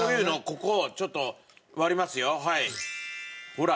ほら。